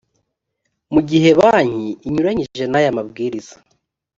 mu gihe banki inyuranyije n aya mabwiriza